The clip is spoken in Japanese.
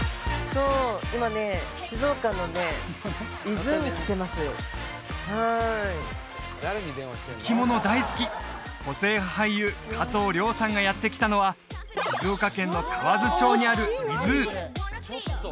生き物大好き個性派俳優加藤諒さんがやって来たのは静岡県の河津町にあるｉＺｏｏ